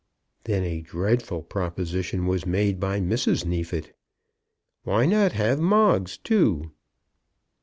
Then a dreadful proposition was made by Mrs. Neefit. "Why not have Moggs too?"